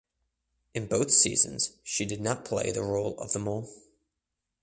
In both seasons she did not play the role of the mole.